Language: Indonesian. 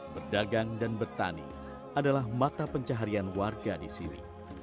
berdagang dan bertani adalah mata pencaharian warga di sini